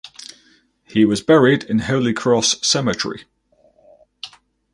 He was buried in Holy Cross Cemetery.